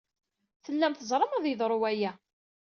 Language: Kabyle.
Tellam teẓram ad yeḍru waya!